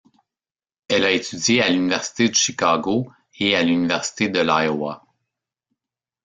Elle a étudié à l'Université de Chicago et à l'Université de l'Iowa.